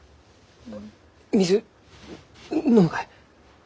水飲むかえ？